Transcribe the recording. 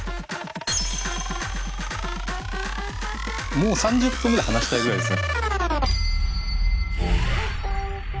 もう３０分ぐらい話したいぐらいですね。